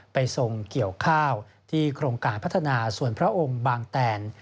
ทรงเกี่ยวข้าวที่โครงการพัฒนาส่วนพระองค์บางแตน